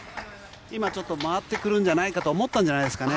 今ちょっと回ってくるんじゃないかと思ったんじゃないですかね。